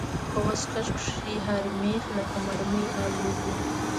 په واسکټ کښې هر مېخ لکه مرمۍ الوزي.